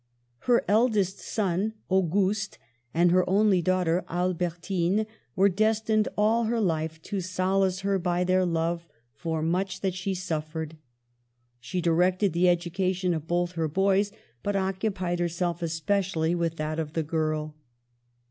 Her eldest son, Auguste, and her only daughter, Albertine, were destined all her life to solace her by their love for much that she suffered. She directed the education of both her boys, but occupied herself especially with that of the girl.